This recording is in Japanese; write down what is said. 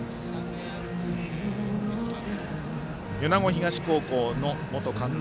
米子東高校の元監督